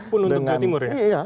pun untuk jawa timur ya